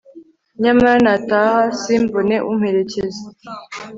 nyamara nataha simbone umperekeza